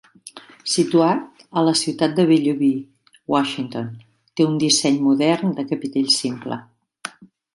Situat a la ciutat de Bellevue, Washington, té un disseny modern de capitell simple.